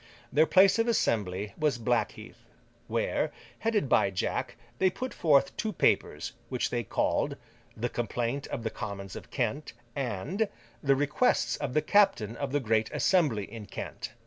Their place of assembly was Blackheath, where, headed by Jack, they put forth two papers, which they called 'The Complaint of the Commons of Kent,' and 'The Requests of the Captain of the Great Assembly in Kent.